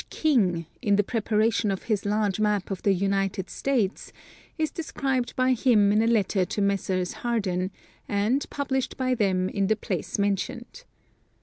King in the preparation of his large map of the United States is described by him in a letter to Messrs. Harden, and published by them in the place mentioned.